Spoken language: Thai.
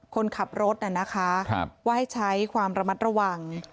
คนขับรถน่ะนะคะว่าให้ใช้ความระมัดระวัง